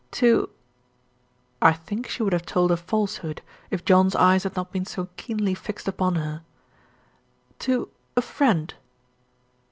"To " I think she would have told a falsehood, if John's eyes had not been so keenly fixed upon her. "To a friend."